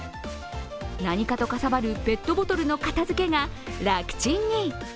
何かとかさばるペットボトルの片付けが楽チンに。